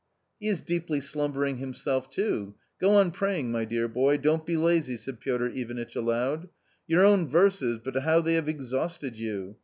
'*" He is deeply slumbering himself too ! Go on praying, my dear boy, don't be lazy !" said Piotr Ivanitch aloud. " Your own verses, but how they have exhausted you